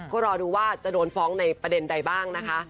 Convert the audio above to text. ก็รอดูว่าจะโดนฟ้องในประเด็นใดบ้างนะคะ